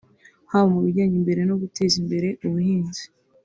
haba mu bijyanye no guteza imbere ubuhinzi